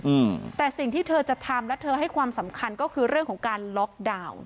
อืมแต่สิ่งที่เธอจะทำและเธอให้ความสำคัญก็คือเรื่องของการล็อกดาวน์